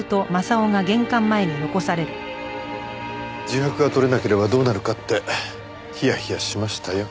自白が取れなければどうなるかってヒヤヒヤしましたよ。